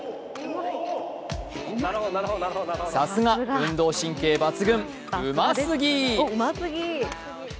さすが、運動神経抜群うますぎ。